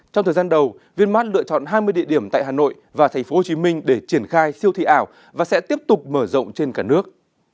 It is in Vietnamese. trong thời gian đầu vinmart lựa chọn hai mươi địa điểm tại hà nội và tp hcm để triển khai siêu thị ảo và sẽ tiếp tục mở rộng trên cả nước